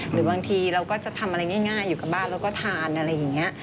หรือบางทีเราก็จะทำอะไรง่ายอยู่กับบ้านเราก็ทานอะไรอย่างนี้